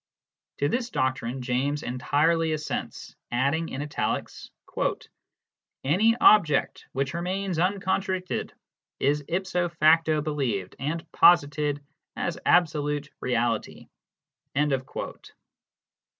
To this doctrine James entirely assents, adding in italics: "Any object which remains uncontradicted is ipso facto believed and posited as absolute reality" D 34 BERTRAND RUSSELL.